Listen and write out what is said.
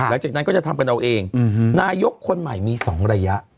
หลังจากนั้นก็จะทำกันเอาเองนายกคนใหม่มี๒ระยะ